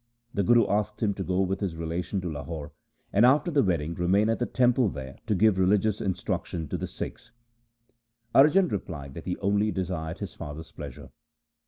The Guru asked him to go with his relation to Lahore, and after the wedding remain at the temple there to give religious instruction to the Sikhs. Arjan replied that he only desired his father's pleasure.